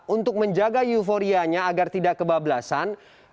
untuk menjaga euforianya agar tidak kebablasan